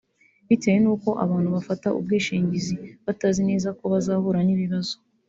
Bitewe n’uko abantu bafata ubwishingizi batazi neza ko bazahura n’ibibazo